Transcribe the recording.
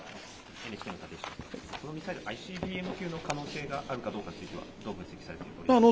このミサイル、ＩＣＢＭ級の可能性があるかどうかについてどう分析されますか。